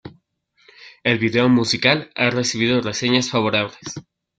El video musical ha recibido reseñas favorables.